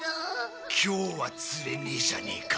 今日は釣れねえじゃねえか。